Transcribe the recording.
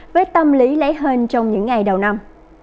với tâm lý lấy hơn trong những ngày đầu năm